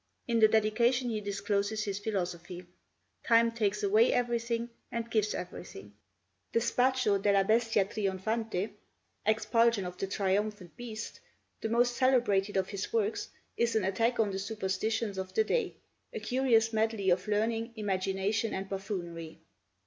In the dedication he discloses his philosophy: 'Time takes away everything and gives everything.' The 'Spaccio della Bestia Trionfante' (Expulsion of the Triumphant Beast), the most celebrated of his works, is an attack on the superstitions of the day, a curious medley of learning, imagination, and buffoonery.